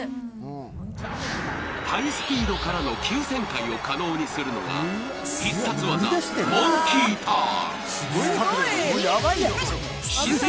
ハイスピードからの急旋回を可能するのが、必殺技、モンキーターン。